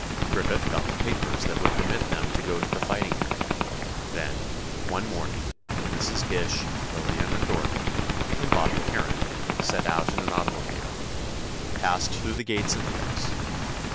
Griffith got the papers that would permit them to go to the fighting area; then, one morning, with Mrs. Gish, Lillian and Dorothy, and Bobby Harron, set out in an automobile, passed through the gates of Paris.